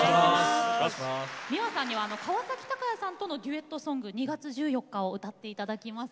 ｍｉｗａさんには川崎鷹也さんとのデュエットソング「２月１４日」を歌っていただきます。